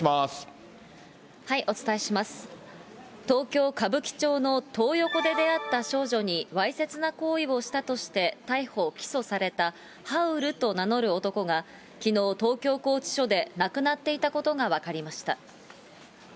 東京・歌舞伎町のトー横で出会った少女にわいせつな行為をしたとして逮捕・起訴されたハウルと名乗る男が、きのう、東京拘置所で亡くなっていたことが分かりました。